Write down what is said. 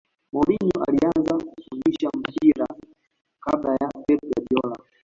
mourinho alianza kufundisha mpira kabla ya pep guardiola